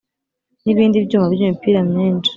n’ibindi byuma by’ imipira myinshi